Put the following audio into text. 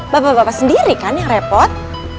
bapak bapak sendiri kan yang repot